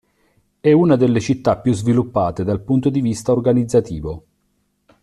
È una delle città più sviluppate dal punto di vista organizzativo.